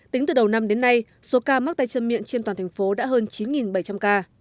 tính từ đầu năm đến nay số ca mắc tay chân miệng trên toàn thành phố đã hơn chín bảy trăm linh ca